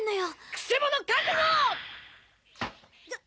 くせ者覚悟ーっ！